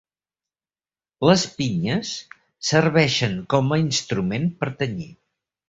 Les pinyes serveixen com a instrument per tenyir.